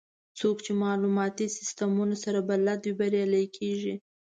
څوک چې د معلوماتي سیستمونو سره بلد وي، بریالي کېږي.